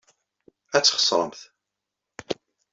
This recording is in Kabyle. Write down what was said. Ad txeṣremt.